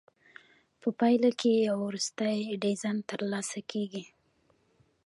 په پایله کې یو وروستی ډیزاین ترلاسه کیږي.